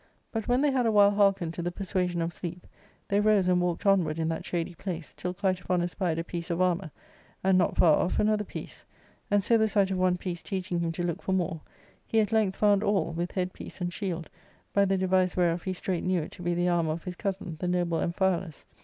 But when they had a while hearkened to the persuasion of sleep, they rose and walked onward in thart shady place, till Clitophon espied a piece of armour, and not far off another piece ; and so the sight of one piece teaching him to look for more, he at length found all, with head piece and shield, by the device whereof he straight knew it to be the armour of his cousin, the n^ble Amphialus.